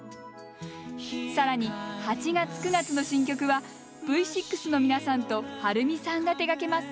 さらに８月９月の新曲はＶ６の皆さんと遥海さんが手がけます。